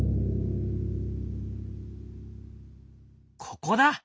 ここだ。